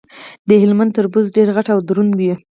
د هلمند تربوز ډیر غټ او دروند وي.